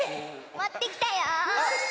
もってきたよ！